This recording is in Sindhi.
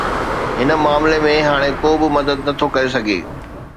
هن معاملي ۾ هاڻي ڪو به مدد نه ٿو ڪري سگهي